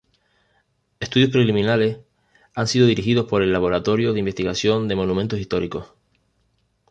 Estudios preliminares han sido dirigidos por el Laboratorio de Investigación de Monumentos Históricos.